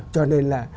cho nên là